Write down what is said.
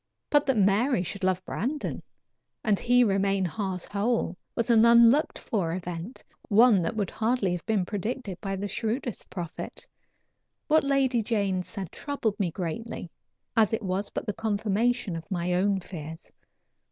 But that Mary should love Brandon, and he remain heart whole, was an unlooked for event one that would hardly have been predicted by the shrewdest prophet. What Lady Jane said troubled me greatly, as it was but the confirmation of my own fears.